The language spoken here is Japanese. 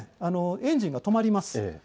エンジンが止まります。